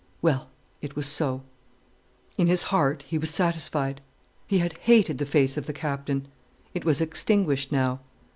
Well, it was so. In his heart he was satisfied. He had hated the face of the Captain. It was extinguished now.